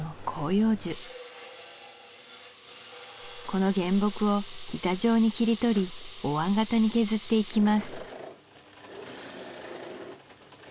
この原木を板状に切り取りおわん型に削っていきます